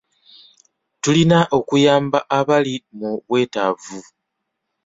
Tulina okuyamba abali mu bwetaavu.